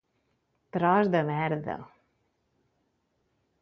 Tros de merda.